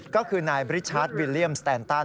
ก็คือนายบริชาร์จวิลเลี่ยมสแตนตัน